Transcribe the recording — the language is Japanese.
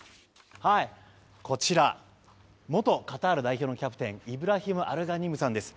こちら元カタール代表のキャプテンイブラヒム・アルガニムさんです。